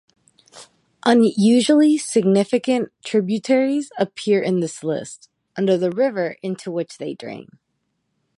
Unusually significant tributaries appear in this list, under the river into which they drain.